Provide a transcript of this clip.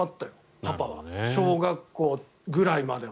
パパは。小学校ぐらいまでは。